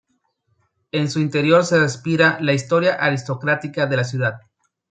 En su interior se respira la historia aristocrática de la ciudad.